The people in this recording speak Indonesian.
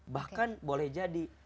bahkan boleh jadi